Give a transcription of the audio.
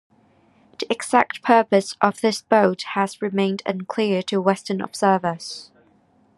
The exact purpose of this boat has remained unclear to western observers.